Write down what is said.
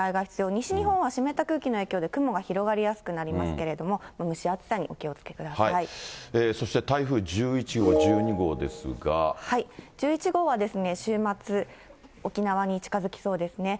西日本は湿った空気の影響で雲が広がりやすくなりますけれども、そして台風１１号、１２号で１１号は週末、沖縄に近づきそうですね。